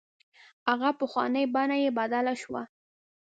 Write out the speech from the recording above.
هغه پخوانۍ بڼه یې بدله شوې.